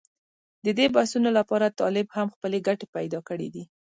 د دې بحثونو لپاره طالب هم خپل ګټې پېدا کړې دي.